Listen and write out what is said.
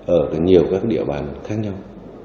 ở nhiều các địa bàn khác nhau